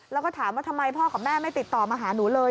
แล้วก็ถามว่าทำไมพ่อกับแม่ไม่ติดต่อมาหาหนูเลย